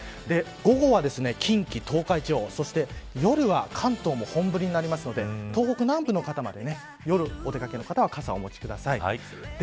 午後は近畿、東海地方、そして夜は関東も本降りになりますので東北南部の方まで夜お出掛けの方は傘をお持ちください。